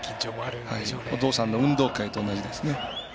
お父さんの運動会と同じですね。